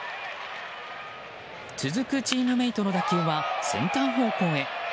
続くチームメートの打球はセンター方向へ。